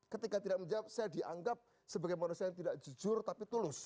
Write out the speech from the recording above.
ketika tidak menjawab saya dianggap sebagai manusia yang tidak jujur tapi tulus